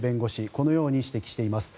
このように指摘しています。